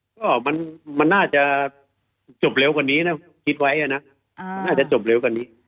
ก็มันน่าจะจบเร็วกว่านี้นะคิดไว้นะมันน่าจะจบเร็วกว่านี้